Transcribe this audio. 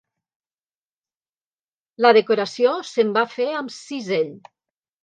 La decoració se'n va fer amb cisell.